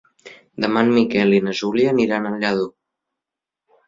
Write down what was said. Demà en Miquel i na Júlia aniran a Lladó.